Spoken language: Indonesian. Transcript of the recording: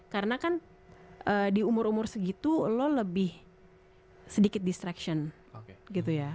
karena kan di umur umur segitu lo lebih sedikit distraction gitu ya